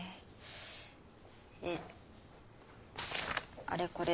えあれこれ